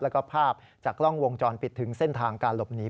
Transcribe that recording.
แล้วก็ภาพจากกล้องวงจรปิดถึงเส้นทางการหลบหนี